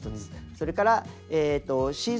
それからシーズンレス。